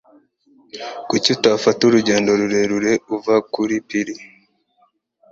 Kuki utafata urugendo rurerure uva kuri pir?